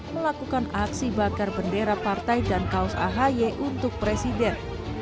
melakukan aksi bakar bendera partai dan kaos ahy untuk presiden